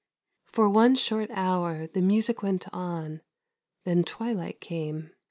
For one short hour the music went on, then twilight came.